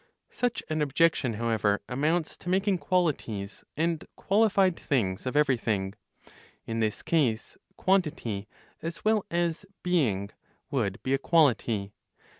Such an objection, however, amounts to making qualities and qualified things of everything. In this case quantity, as well as "being," would be a quality.